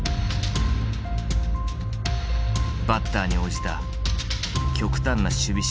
バッターに応じた極端な守備シフトを考案。